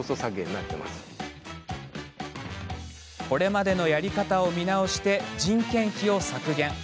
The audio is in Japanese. これまでのやり方を見直して人件費を削減。